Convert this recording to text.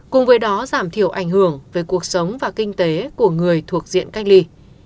cùng với đó giảm thiểu ảnh hưởng về cuộc sống và kinh tế của người thuộc diện cách ly